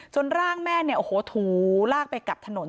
จนร่างแม่ถูลากไปกลับถนน